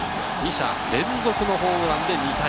２者連続のホームランで２対０。